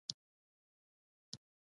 د میدان وردګو په چک کې د څه شي نښې دي؟